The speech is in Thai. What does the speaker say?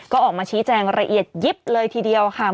ก็ออกมาชี้แจงละเอียดยิบเลยทีเดียวค่ะ